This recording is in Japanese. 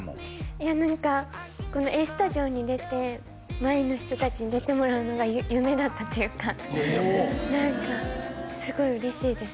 いや何かこの「ＡＳＴＵＤＩＯ＋」に出て「まいん」の人達に出てもらうのが夢だったというか何かすごい嬉しいです